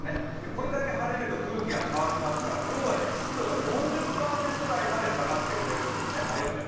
これだけ晴れると空気が乾きますから今日は湿度が４０％台まで下がってくれるんですね。